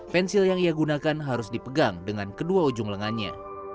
pensil yang ia gunakan harus dipegang dengan kedua ujung lengannya